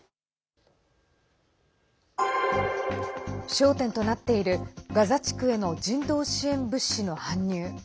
焦点となっているガザ地区への人道支援物資の搬入。